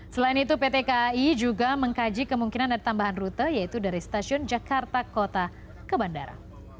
selain itu pt kai juga mengkaji kemungkinan ada tambahan rute yaitu dari stasiun jakarta kota ke bandara